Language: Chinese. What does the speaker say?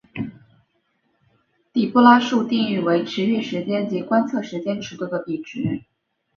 底波拉数定义为驰豫时间及观测时间尺度的比值。